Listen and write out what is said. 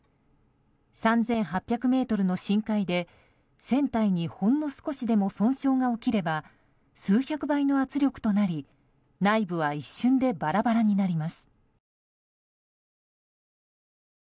３８００ｍの深海で船体にほんの少しでも損傷が起きれば数百倍の圧力となり内部は一瞬でバラバラになります。